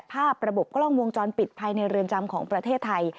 ภาพระบบกล้องวงจรปิดภายในเรือนจำของประเทศไทย